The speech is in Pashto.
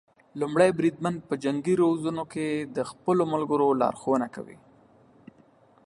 لومړی بریدمن په جنګي روزنو کې د خپلو ملګرو لارښونه کوي.